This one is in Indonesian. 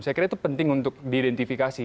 saya kira itu penting untuk diidentifikasi